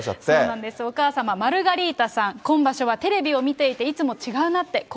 そうなんです、お母様、マルガリータさん、今場所はテレビを見ていて、いつも違うなって。